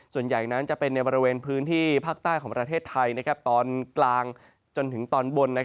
ส่วนใหญ่นั้นจะเป็นในบริเวณพื้นที่ภาคใต้ของประเทศไทยตอนกลางจนถึงตอนบน